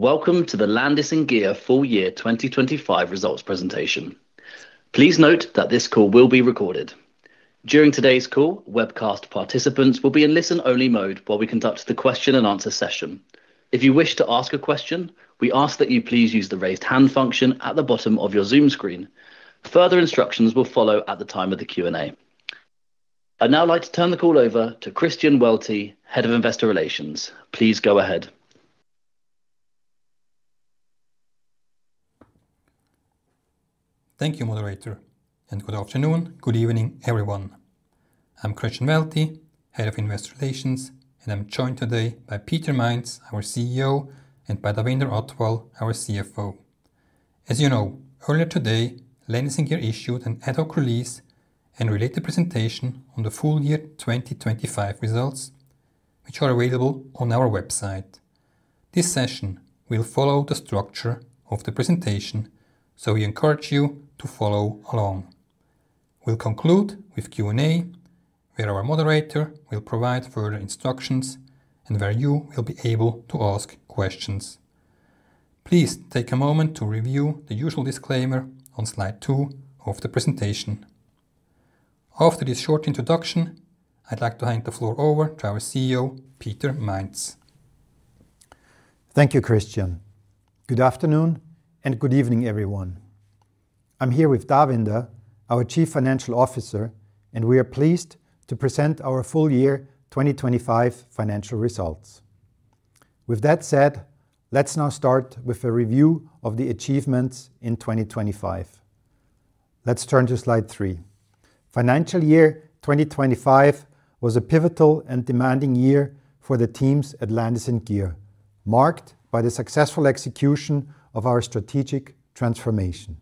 Welcome to the Landis+Gyr full-year 2025 results presentation. Please note that this call will be recorded. During today's call, webcast participants will be in listen-only mode while we conduct the question-and-answer session. If you wish to ask a question, we ask that you please use the Raise Hand function at the bottom of your Zoom screen. Further instructions will follow at the time of the Q&A. I'd now like to turn the call over to Christian Waelti, Head of Investor Relations. Please go ahead. Thank you, moderator. Good afternoon, good evening, everyone. I'm Christian Waelti, Head of Investor Relations, and I'm joined today by Peter Mainz, our CEO, and by Davinder Athwal, our CFO. As you know, earlier today, Landis+Gyr issued an ad hoc release and related presentation on the full year 2025 results, which are available on our website. This session will follow the structure of the presentation, so we encourage you to follow along. We'll conclude with Q&A, where our moderator will provide further instructions and where you will be able to ask questions. Please take a moment to review the usual disclaimer on slide two of the presentation. After this short introduction, I'd like to hand the floor over to our CEO, Peter Mainz. Thank you, Christian. Good afternoon and good evening, everyone. I'm here with Davinder, our Chief Financial Officer, and we are pleased to present our full year 2025 financial results. With that said, let's now start with a review of the achievements in 2025. Let's turn to slide three. Financial year 2025 was a pivotal and demanding year for the teams at Landis+Gyr, marked by the successful execution of our strategic transformation.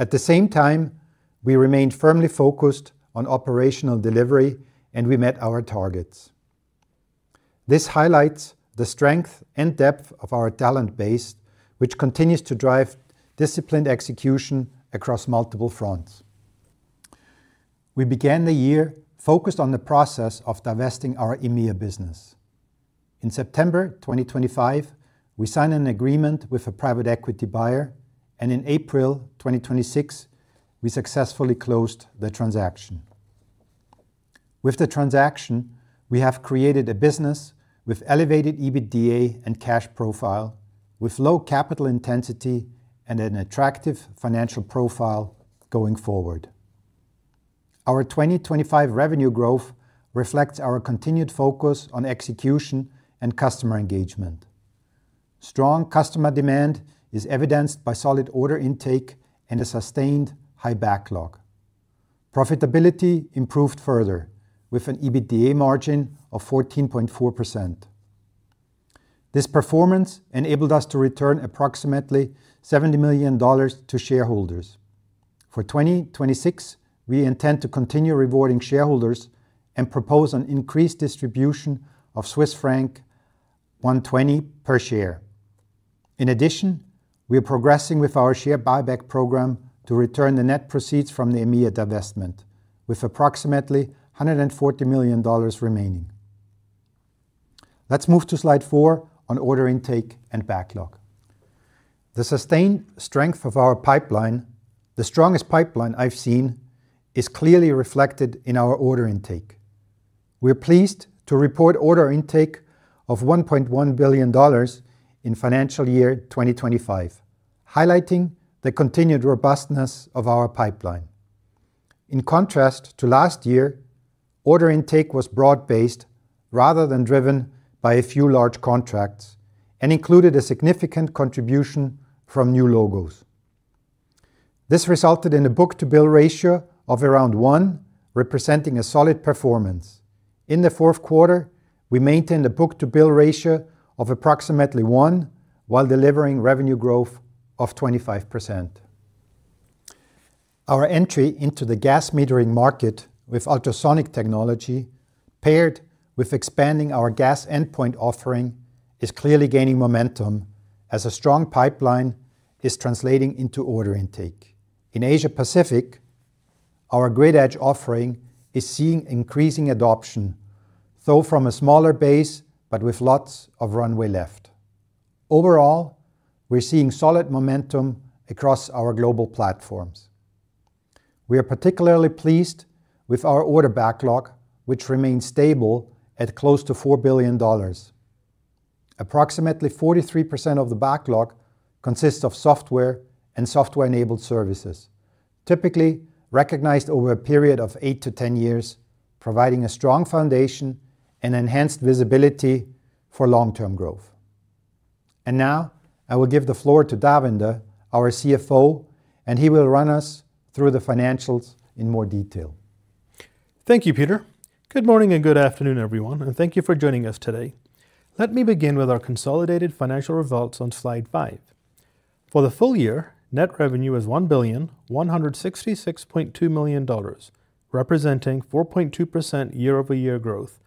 At the same time, we remained firmly focused on operational delivery, and we met our targets. This highlights the strength and depth of our talent base, which continues to drive disciplined execution across multiple fronts. We began the year focused on the process of divesting our EMEA business. In September 2025, we signed an agreement with a private equity buyer, and in April 2026, we successfully closed the transaction. With the transaction, we have created a business with elevated EBITDA and cash profile, with low capital intensity and an attractive financial profile going forward. Our 2025 revenue growth reflects our continued focus on execution and customer engagement. Strong customer demand is evidenced by solid order intake and a sustained high backlog. Profitability improved further with an EBITDA margin of 14.4%. This performance enabled us to return approximately $70 million to shareholders. For 2026, we intend to continue rewarding shareholders and propose an increased distribution of Swiss franc 1.20 per share. In addition, we are progressing with our share buyback program to return the net proceeds from the EMEA divestment, with approximately $140 million remaining. Let's move to slide four on order intake and backlog. The sustained strength of our pipeline, the strongest pipeline I've seen, is clearly reflected in our order intake. We are pleased to report order intake of $1.1 billion in financial year 2025, highlighting the continued robustness of our pipeline. In contrast to last year, order intake was broad-based rather than driven by a few large contracts and included a significant contribution from new logos. This resulted in a book-to-bill ratio of around 1.0x, representing a solid performance. In the fourth quarter, we maintained a book-to-bill ratio of approximately 1.0x While delivering revenue growth of 25%. Our entry into the gas metering market with ultrasonic technology, paired with expanding our gas endpoint offering, is clearly gaining momentum as a strong pipeline is translating into order intake. In Asia-Pacific, our Grid Edge offering is seeing increasing adoption, though from a smaller base, but with lots of runway left. Overall, we are seeing solid momentum across our global platforms. We are particularly pleased with our order backlog, which remains stable at close to $4 billion. Approximately 43% of the backlog consists of software and software-enabled services, typically recognized over a period of 8-10 years, providing a strong foundation and enhanced visibility for long-term growth. Now I will give the floor to Davinder, our CFO, and he will run us through the financials in more detail. Thank you, Peter. Good morning and good afternoon, everyone, and thank you for joining us today. Let me begin with our consolidated financial results on slide five. For the full-year, net revenue is $1,166.2 million, representing 4.2% year-over-year growth,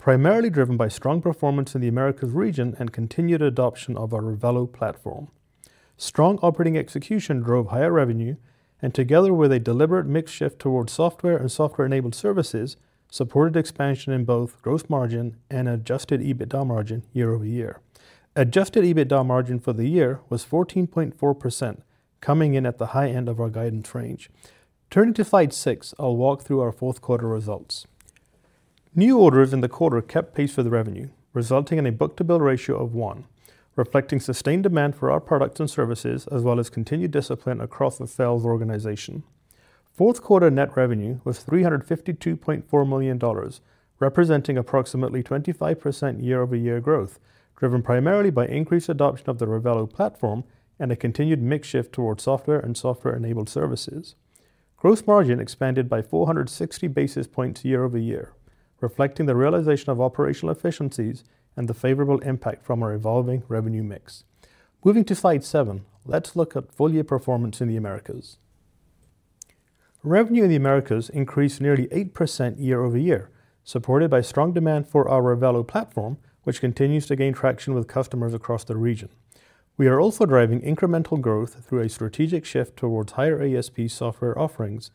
primarily driven by strong performance in the Americas region and continued adoption of our Revelo platform. Strong operating execution drove higher revenue, and together with a deliberate mix shift towards software and software-enabled services, supported expansion in both gross margin and adjusted EBITDA margin year-over-year. Adjusted EBITDA margin for the year was 14.4%, coming in at the high end of our guidance range. Turning to slide six, I'll walk through our fourth quarter results. New orders in the quarter kept pace with revenue, resulting in a book-to-bill ratio of 1.0x, reflecting sustained demand for our products and services, as well as continued discipline across the sales organization. Fourth quarter net revenue was $352.4 million, representing approximately 25% year-over-year growth, driven primarily by increased adoption of the Revelo platform and a continued mix shift towards software and software-enabled services. Gross margin expanded by 460 basis points year-over-year, reflecting the realization of operational efficiencies and the favorable impact from our evolving revenue mix. Moving to slide seven, let's look at full-year performance in the Americas. Revenue in the Americas increased nearly 8% year-over-year, supported by strong demand for our Revelo platform, which continues to gain traction with customers across the region. We are also driving incremental growth through a strategic shift towards higher ASP software offerings.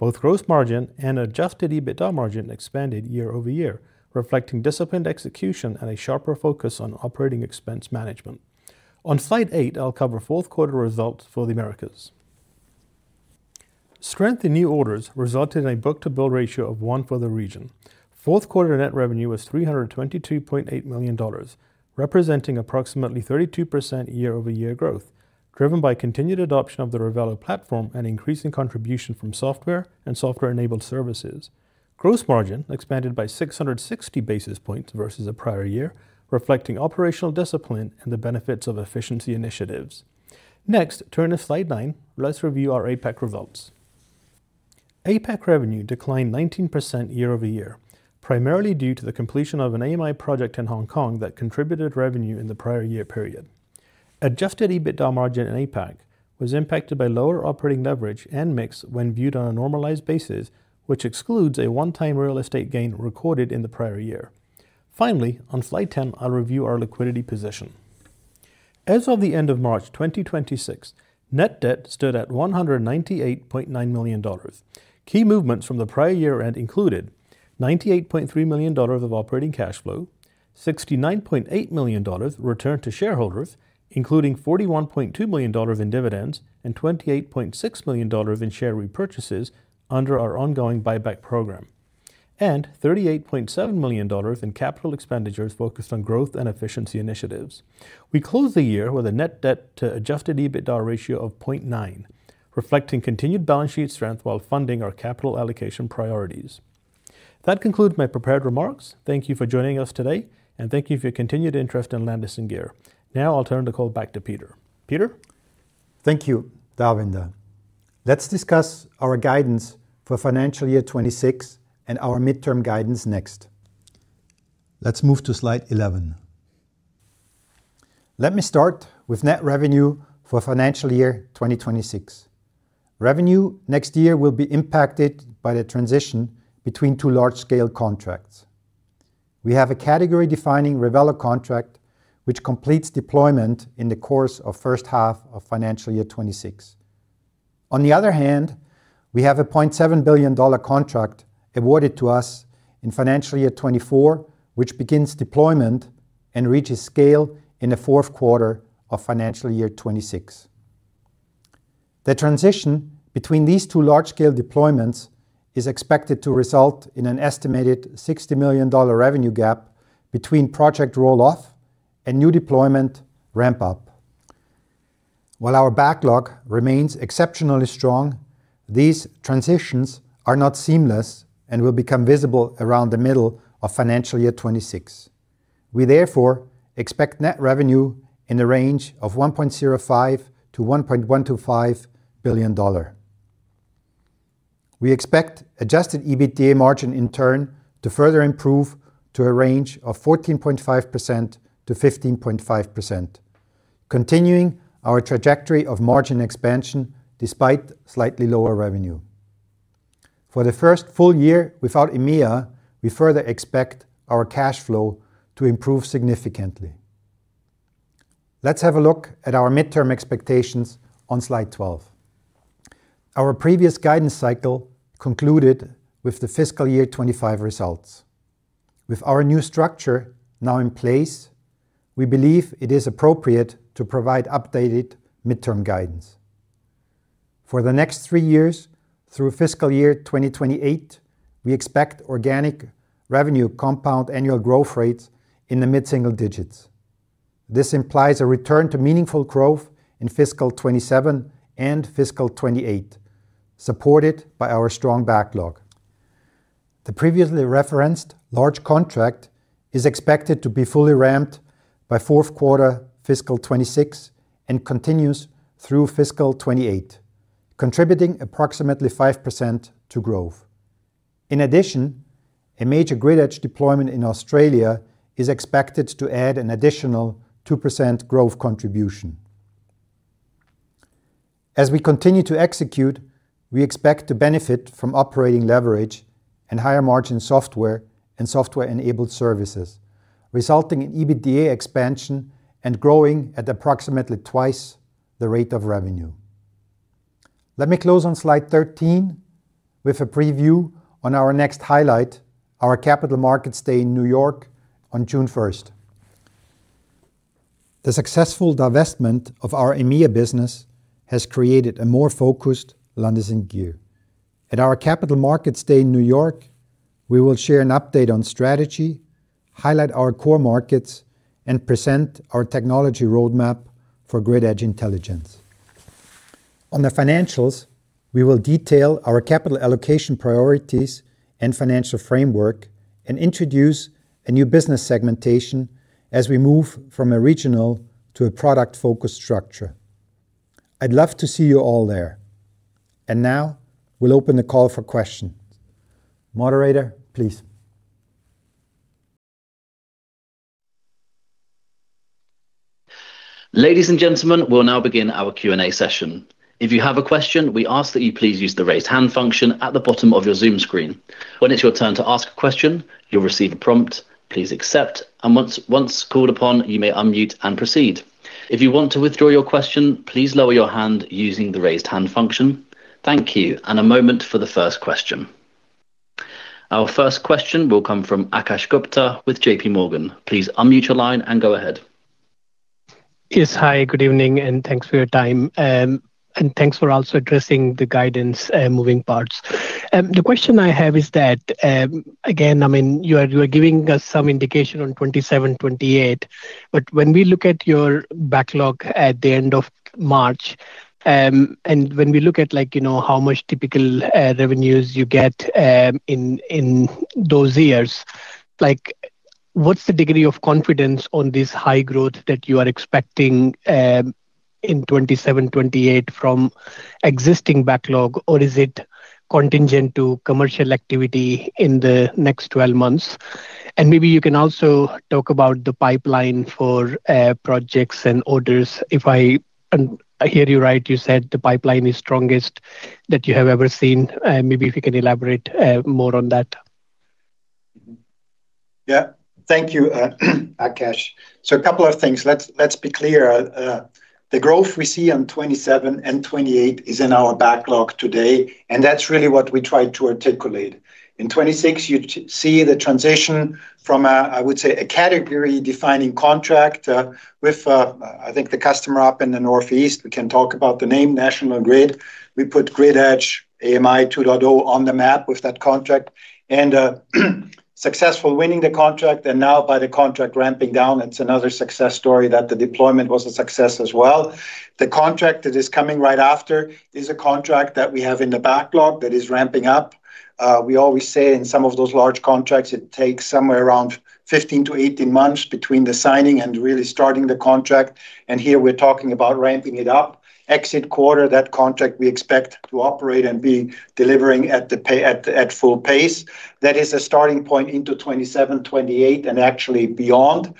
Both gross margin and adjusted EBITDA margin expanded year-over-year, reflecting disciplined execution and a sharper focus on operating expense management. On slide eight, I'll cover fourth quarter results for the Americas. Strength in new orders resulted in a book-to-bill ratio of 1.0x for the region. Fourth quarter net revenue was $322.8 million, representing approximately 32% year-over-year growth, driven by continued adoption of the Revelo platform and increasing contribution from software and software-enabled services. Gross margin expanded by 660 basis points versus the prior year, reflecting operational discipline and the benefits of efficiency initiatives. Turn to slide nine. Let's review our APAC results. APAC revenue declined 19% year-over-year, primarily due to the completion of an AMI project in Hong Kong that contributed revenue in the prior year period. Adjusted EBITDA margin in APAC was impacted by lower operating leverage and mix when viewed on a one-time normalized basis, which excludes a real estate gain recorded in the prior year. Finally, on slide 10, I'll review our liquidity position. As of the end of March 2026, net debt stood at CHF 198.9 million. Key movements from the prior year end included CHF 98.3 million of operating cash flow, CHF 69.8 million returned to shareholders, including CHF 41.2 million in dividends and CHF 28.6 million in share repurchases under our ongoing buyback program, and CHF 38.7 million in capital expenditures focused on growth and efficiency initiatives. We closed the year with a net debt to adjusted EBITDA ratio of 0.9%, reflecting continued balance sheet strength while funding our capital allocation priorities. That concludes my prepared remarks. Thank you for joining us today, and thank you for your continued interest in Landis+Gyr. Now I'll turn the call back to Peter. Peter? Thank you, Davinder. Discuss our guidance for financial year 2026 and our midterm guidance next. Move to slide 11. Let me start with net revenue for financial year 2026. Revenue next year will be impacted by the transition between two large-scale contracts. We have a category-defining Revelo contract which completes deployment in the course of first half of financial year 2026. On the other hand, we have a $0.7 billion contract awarded to us in financial year 2024, which begins deployment and reaches scale in the fourth quarter of financial year 2026. The transition between these two large-scale deployments is expected to result in an estimated $60 million revenue gap between project roll-off and new deployment ramp-up. While our backlog remains exceptionally strong, these transitions are not seamless and will become visible around the middle of financial year 2026. We therefore expect net revenue in the range of CHF 1.05 billion-CHF 1.125 billion. We expect adjusted EBITDA margin in turn to further improve to a range of 14.5%-15.5%, continuing our trajectory of margin expansion despite slightly lower revenue. For the first full-year without EMEA, we further expect our cash flow to improve significantly. Let's have a look at our midterm expectations on slide 12. Our previous guidance cycle concluded with the fiscal year 2025 results. With our new structure now in place, we believe it is appropriate to provide updated midterm guidance. For the next three years, through fiscal year 2028, we expect organic revenue compound annual growth rates in the mid-single digits. This implies a return to meaningful growth in fiscal 2027 and fiscal 2028, supported by our strong backlog. The previously referenced large contract is expected to be fully ramped by fourth quarter fiscal 2026 and continues through fiscal 2028, contributing approximately 5% to growth. In addition, a major Grid Edge deployment in Australia is expected to add an additional 2% growth contribution. As we continue to execute, we expect to benefit from operating leverage and higher margin software and software-enabled services, resulting in EBITDA expansion and growing at approximately twice the rate of revenue. Let me close on slide 13 with a preview on our next highlight, our Capital Markets Day in New York on June 1. The successful divestment of our EMEA business has created a more focused Landis+Gyr. At our Capital Markets Day in New York, we will share an update on strategy, highlight our core markets, and present our technology roadmap for Grid Edge intelligence. On the financials, we will detail our capital allocation priorities and financial framework and introduce a new business segmentation as we move from a regional to a product-focused structure. I'd love to see you all there. Now we'll open the call for questions. Moderator, please. Ladies and gentlemen, we'll now begin our Q&A session. If you have a question, we ask that you please use the raise hand function at the bottom of your Zoom screen. When it's your turn to ask a question, you'll receive a prompt. Please accept. Once called upon, you may unmute and proceed. If you want to withdraw your question, please lower your hand using the raise hand function. Thank you. A moment for the first question. Our first question will come from Akash Gupta with JPMorgan. Please unmute your line and go ahead. Yes. Hi, good evening, and thanks for your time. Thanks for also addressing the guidance moving parts. The question I have is that, again, I mean, you are, you are giving us some indication on 2027, 2028. When we look at your backlog at the end of March, and when we look at like, you know, how much typical revenues you get in those years, like what's the degree of confidence on this high growth that you are expecting in 2027, 2028 from existing backlog or is it contingent to commercial activity in the next 12 months? Maybe you can also talk about the pipeline for projects and orders. If I hear you right, you said the pipeline is strongest that you have ever seen. Maybe if you can elaborate more on that. Thank you, Akash. A couple of things. Let's be clear. The growth we see on 2027 and 2028 is in our backlog today, and that's really what we tried to articulate. In 2026, you see the transition from a, I would say, a category-defining contract with, I think the customer up in the Northeast. We can talk about the name, National Grid. We put Grid Edge AMI 2.0 on the map with that contract and successful winning the contract and now by the contract ramping down, it's another success story that the deployment was a success as well. The contract that is coming right after is a contract that we have in the backlog that is ramping up. We always say in some of those large contracts it takes somewhere around 15-18 months between the signing and really starting the contract. Here we're talking about ramping it up. Exit quarter, that contract we expect to operate and be delivering at full pace. That is a starting point into 27, 28 and actually beyond.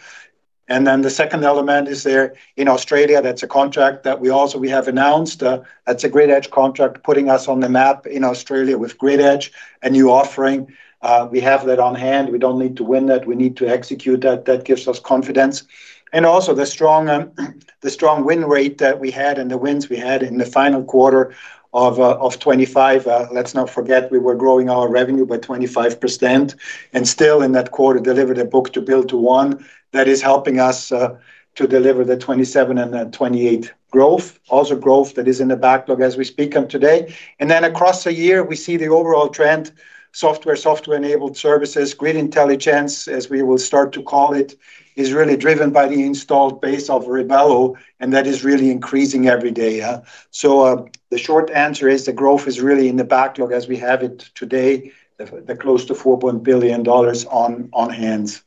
The second element is there in Australia. That's a contract that we have announced. That's a Grid Edge contract putting us on the map in Australia with Grid Edge, a new offering. We have that on hand. We don't need to win that. We need to execute that. That gives us confidence. Also the strong win rate that we had and the wins we had in the final quarter of 25. Let's not forget we were growing our revenue by 25%. Still in that quarter delivered a book-to-bill to 1.0x. That is helping us to deliver the 2027 and 2028 growth. Growth that is in the backlog as we speak today. Across the year, we see the overall trend, software-enabled services, Grid Intelligence, as we will start to call it, is really driven by the installed base of Revelo, and that is really increasing every day. The short answer is the growth is really in the backlog as we have it today, the close to CHF 4 billion on-hand.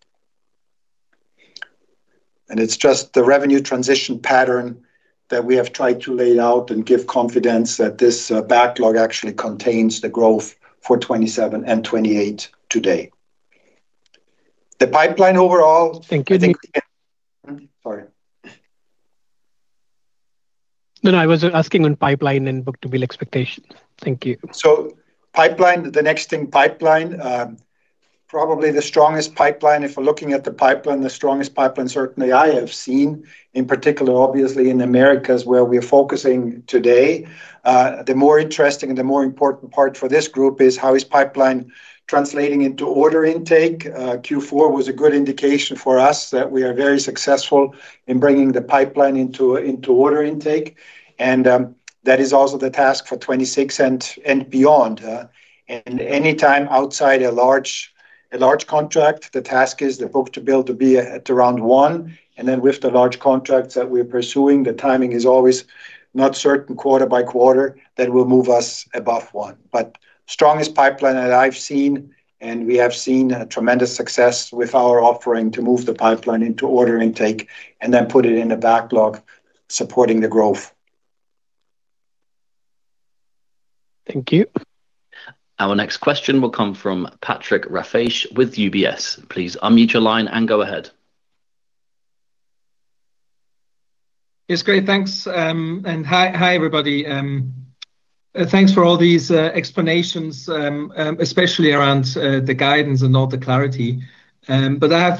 It's just the revenue transition pattern that we have tried to lay out and give confidence that this backlog actually contains the growth for 2027 and 2028 today. Thank you. I think Sorry. No, no, I was asking on pipeline and book-to-bill expectations. Thank you. Pipeline, the next thing, pipeline, probably the strongest pipeline if we're looking at the pipeline, the strongest pipeline certainly I have seen, in particular obviously in Americas where we're focusing today. The more interesting and the more important part for this group is how is pipeline translating into order intake. Q4 was a good indication for us that we are very successful in bringing the pipeline into order intake, and that is also the task for 2026 and beyond. Any time outside a large contract, the task is the book-to-bill to be at around 1.0x. With the large contracts that we're pursuing, the timing is always not certain quarter by quarter that will move us above 1.0x. Strongest pipeline that I've seen, and we have seen a tremendous success with our offering to move the pipeline into order intake and then put it in the backlog supporting the growth. Thank you. Our next question will come from Patrick Rafaisz with UBS. Please unmute your line and go ahead. Yes, great. Thanks, hi everybody. Thanks for all these explanations, especially around the guidance and all the clarity. I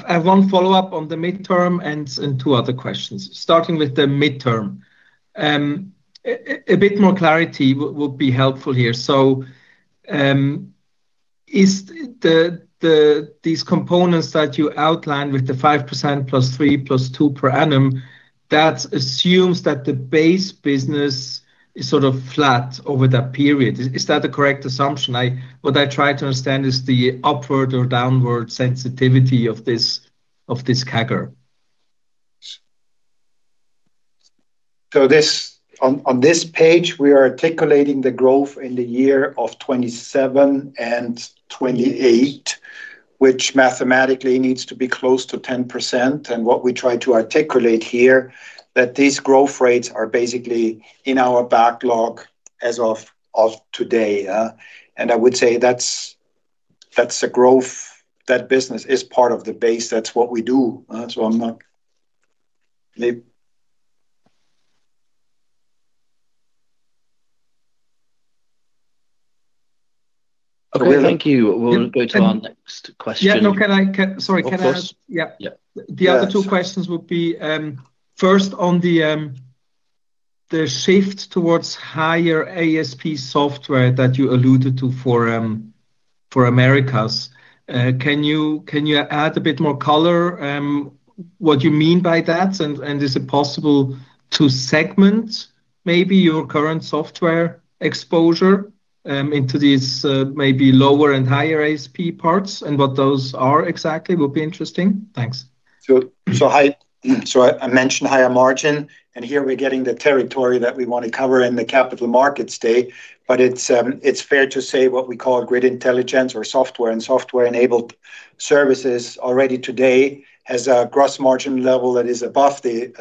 have one follow-up on the midterm and two other questions. Starting with the midterm. A bit more clarity would be helpful here. Is the these components that you outlined with the 5%+3%+2% per annum, that assumes that the base business is sort of flat over that period. Is that a correct assumption? What I try to understand is the upward or downward sensitivity of this CAGR. On this page, we are articulating the growth in the year of 2027 and 2028, which mathematically needs to be close to 10%. What we try to articulate here, that these growth rates are basically in our backlog as of today. I would say that's a growth. That business is part of the base. That's what we do. I'm not Okay, thank you. We'll go to our next question. Yeah. No, Sorry, can I ask- Of course. Yeah. Yeah. The other two questions would be, first, on the shift towards higher ASP software that you alluded to for Americas. Can you add a bit more color, what you mean by that? Is it possible to segment maybe your current software exposure into these maybe lower and higher ASP parts and what those are exactly would be interesting. Thanks. I mentioned higher margin, and here we're getting the territory that we wanna cover in the Capital Markets Day. It's fair to say what we call Grid Intelligence or software and software-enabled services already today has a gross margin level that is above the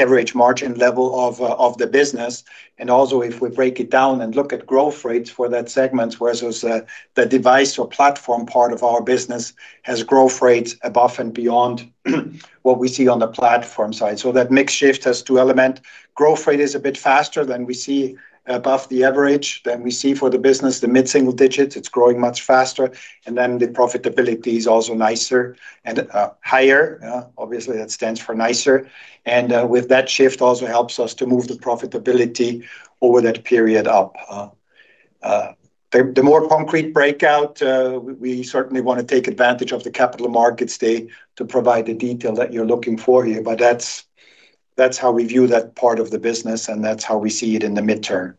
average margin level of the business. Also, if we break it down and look at growth rates for that segment, whereas the device or platform part of our business has growth rates above and beyond what we see on the platform side. That mix shift has two element. Growth rate is a bit faster than we see above the average than we see for the business. The mid-single digits, it's growing much faster, and then the profitability is also nicer and higher. Obviously, that stands for nicer. With that shift also helps us to move the profitability over that period up. The more concrete breakout, we certainly wanna take advantage of the Capital Markets Day to provide the detail that you're looking for here. That's how we view that part of the business, and that's how we see it in the mid-term.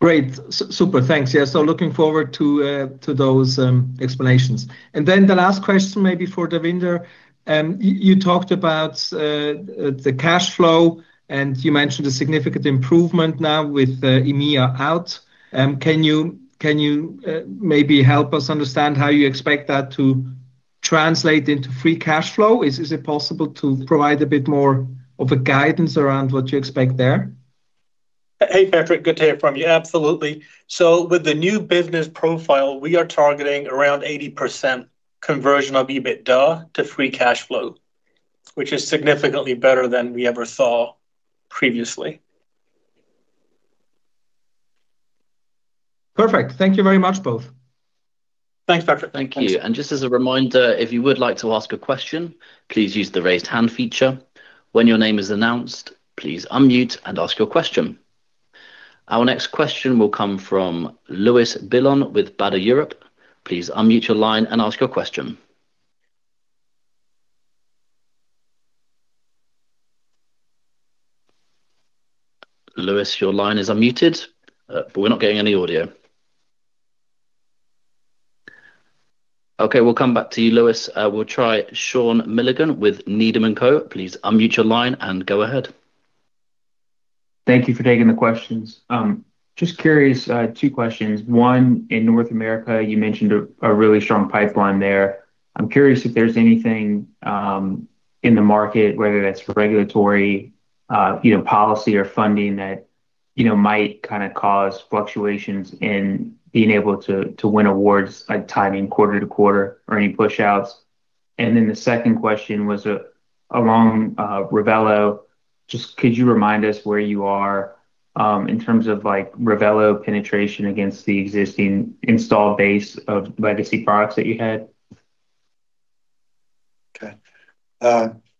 Great. Super. Thanks. Looking forward to those explanations. Then the last question maybe for Davinder. You talked about the cash flow, and you mentioned a significant improvement now with EMEA out. Can you maybe help us understand how you expect that to translate into free cash flow? Is it possible to provide a bit more of a guidance around what you expect there? Hey, Patrick. Good to hear from you. Absolutely. With the new business profile, we are targeting around 80% conversion of EBITDA to free cash flow, which is significantly better than we ever saw previously. Perfect. Thank you very much, both. Thanks, Patrick. Thank you. Just as a reminder, if you would like to ask a question, please use the raise hand feature. When your name is announced, please unmute and ask your question. Our next question will come from Louis Billon with Baader Europe. Please unmute your line and ask your question. Louis, your line is unmuted, but we're not getting any audio. Okay, we'll come back to you, Louis. We'll try Sean Milligan with Needham & Co. Please unmute your line and go ahead. Thank you for taking the questions. Just curious, two questions. One, in North America, you mentioned a really strong pipeline there. I'm curious if there's anything in the market, whether that's regulatory, you know, policy or funding that, you know, might kinda cause fluctuations in being able to win awards, like timing quarter to quarter or any push-outs. The second question was along Revelo. Just could you remind us where you are in terms of like Revelo penetration against the existing installed base of legacy products that you had? Okay.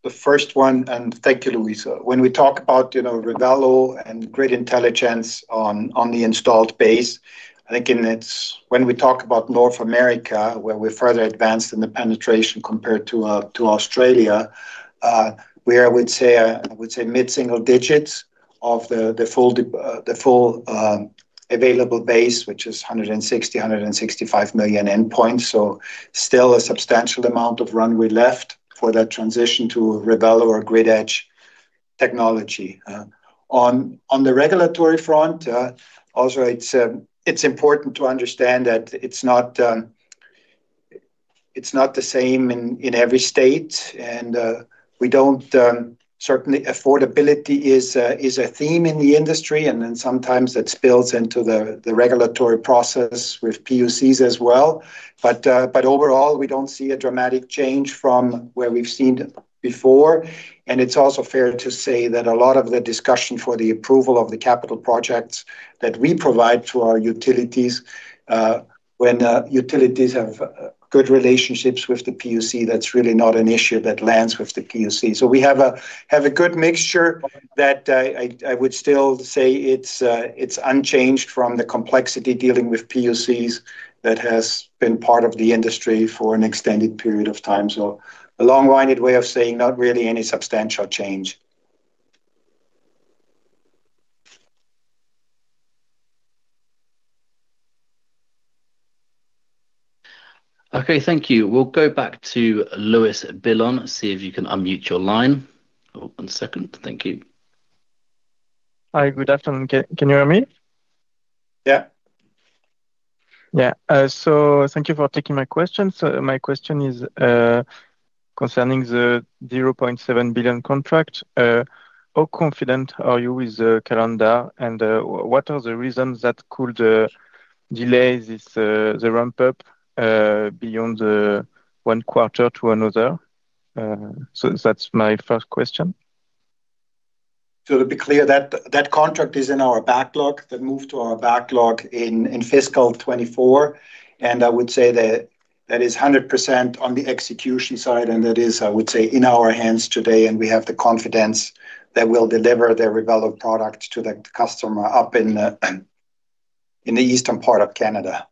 The first one. Thank you, Sean. When we talk about, you know, Revelo and Grid Intelligence on the installed base, I think and it's when we talk about North America, where we are further advanced in the penetration compared to Australia, we are, I would say mid-single digits of the full available base, which is 160, 165 million endpoints. Still a substantial amount of runway left for that transition to Revelo or Grid Edge technology. On the regulatory front, also it's important to understand that it's not the same in every state. Certainly affordability is a theme in the industry, and then sometimes it spills into the regulatory process with PUCs as well. Overall, we don't see a dramatic change from where we've seen before. It's also fair to say that a lot of the discussion for the approval of the capital projects that we provide to our utilities, When utilities have, good relationships with the PUC, that's really not an issue that lands with the PUC. We have a good mixture that I would still say it's unchanged from the complexity dealing with PUCs that has been part of the industry for an extended period of time. A long-winded way of saying not really any substantial change. Okay, thank you. We'll go back to Louis Billon. See if you can unmute your line. Oh, one second. Thank you. Hi, good afternoon. Can you hear me? Yeah. Yeah. Thank you for taking my question. My question is concerning the 0.7 billion contract. How confident are you with the calendar, and what are the reasons that could delay this, the ramp up, beyond the 1 quarter to another? That's my first question. To be clear, that contract is in our backlog. That moved to our backlog in fiscal 2024, and I would say that that is 100% on the execution side, and that is, I would say, in our hands today, and we have the confidence that we'll deliver the Revelo product to the customer up in the eastern part of Canada.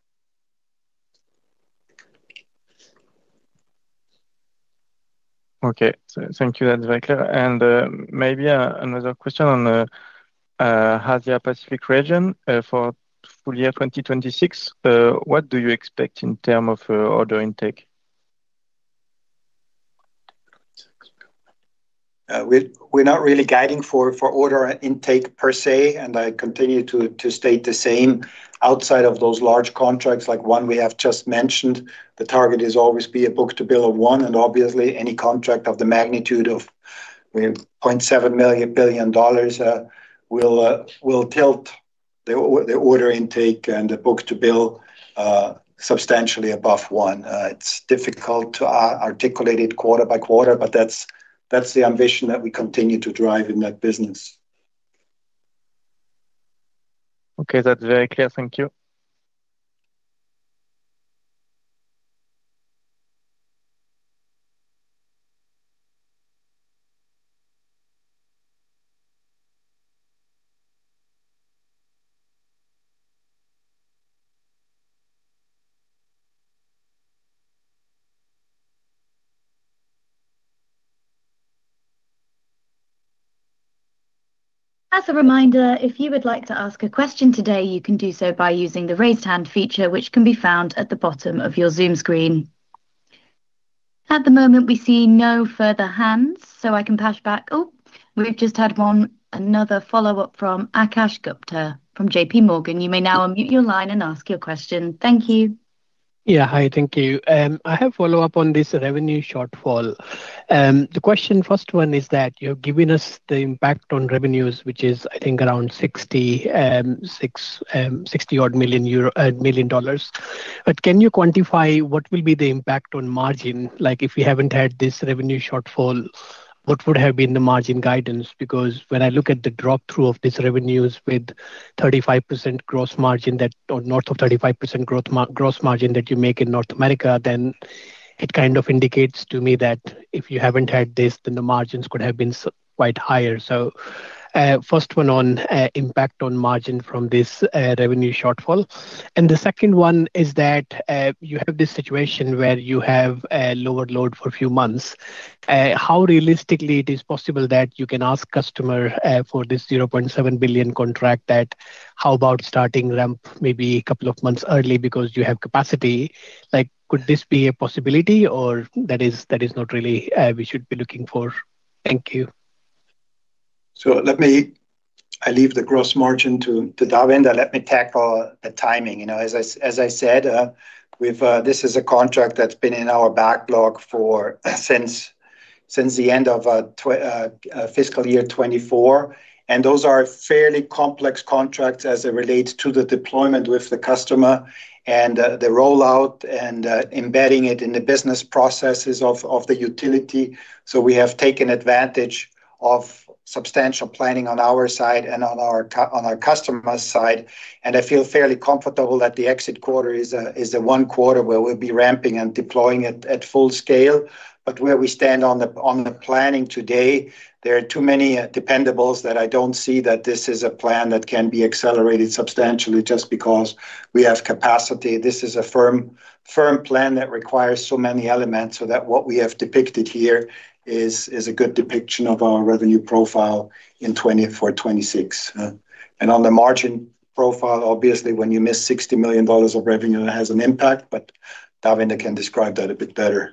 Okay. Thank you. That's very clear. Maybe another question on Asia-Pacific region for full-year 2026. What do you expect in terms of order intake? We're not really guiding for order intake per se, and I continue to state the same. Outside of those large contracts like one we have just mentioned, the target is always be a book-to-bill of 1.0x, and obviously any contract of the magnitude of, I mean, CHF 0.7 billion, will tilt the order intake and the book-to-bill substantially above one. It's difficult to articulate it quarter by quarter, but that's the ambition that we continue to drive in that business. Okay. That's very clear. Thank you. As a reminder, if you would like to ask a question today, you can do so by using the Raise Hand feature, which can be found at the bottom of your Zoom screen. At the moment, we see no further hands, so I can pass back. We've just had one, another follow-up from Akash Gupta from JPMorgan. You may now unmute your line and ask your question. Thank you. Yeah. Hi. Thank you. I have follow-up on this revenue shortfall. The question, first one is that you're giving us the impact on revenues, which is I think around $60 odd million. Can you quantify what will be the impact on margin? Like, if you haven't had this revenue shortfall, what would have been the margin guidance? When I look at the drop-through of these revenues with 35% gross margin or north of 35% gross margin that you make in North America, it kind of indicates to me that if you haven't had this, the margins could have been quite higher. First one on impact on margin from this revenue shortfall. The second one is that you have this situation where you have a lower load for a few months. How realistically it is possible that you can ask customer for this 0.7 billion contract that how about starting ramp maybe a couple of months early because you have capacity? Like, could this be a possibility or that is not really we should be looking for? Thank you. I leave the gross margin to Davinder. Let me tackle the timing. You know, as I said, this is a contract that's been in our backlog since the end of fiscal year 2024. Those are fairly complex contracts as it relates to the deployment with the customer and the rollout and embedding it in the business processes of the utility. We have taken advantage of substantial planning on our side and on our customer's side, and I feel fairly comfortable that the exit quarter is the one quarter where we'll be ramping and deploying it at full scale. Where we stand on the, on the planning today, there are too many dependables that I don't see that this is a plan that can be accelerated substantially just because we have capacity. This is a firm plan that requires so many elements so that what we have depicted here is a good depiction of our revenue profile in 2024, 2026. On the margin profile, obviously, when you miss CHF 60 million of revenue, it has an impact, but Davinder Athwal can describe that a bit better.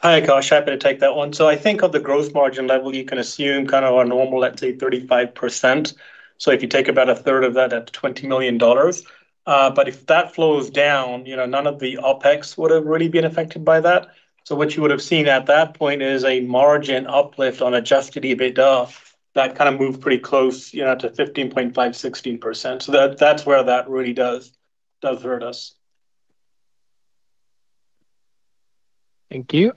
Hi, Akash. Happy to take that one. I think of the gross margin level, you can assume kind of our normal, let's say, 35%. If you take about a third of that at CHF 20 million. If that flows down, you know, none of the Opex would have really been affected by that. What you would have seen at that point is a margin uplift on adjusted EBITDA that kind of moved pretty close, you know, to 15.5%-16%. That's where that really does hurt us. Thank you.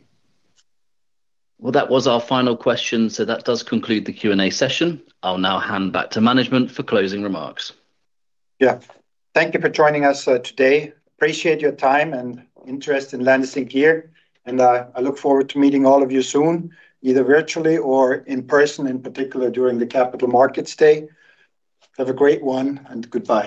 Well, that was our final question. That does conclude the Q&A session. I'll now hand back to management for closing remarks. Yeah. Thank you for joining us today. Appreciate your time and interest in Landis+Gyr, I look forward to meeting all of you soon, either virtually or in person, in particular during the Capital Markets Day. Have a great one, goodbye.